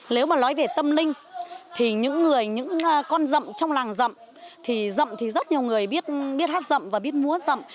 nếu mà nói về tâm linh thì những người những con rậm trong làng rậm thì rậm thì rất nhiều người biết biết hát rậm và biết múa rậm